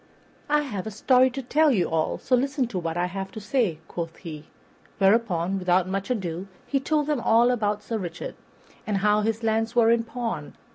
"I have a story to tell you all, so listen to what I have to say," quoth he; whereupon, without more ado, he told them all about Sir Richard, and how his lands were in pawn.